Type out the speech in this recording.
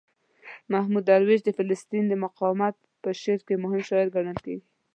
محمود درویش د فلسطین د مقاومت په شعر کې مهم شاعر ګڼل کیږي.